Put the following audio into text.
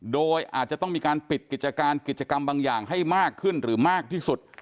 โดยอาจจะต้องมีการปิดกิจการกิจกรรมบางอย่างให้มากขึ้นหรือมากที่สุด